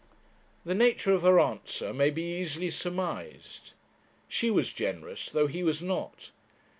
The nature of her answer may be easily surmised. She was generous, though he was not.